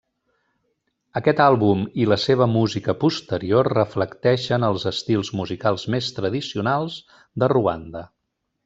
Aquest àlbum i la seva música posterior reflecteixen els estils musicals més tradicionals de Ruanda.